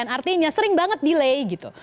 artinya sering banget delay gitu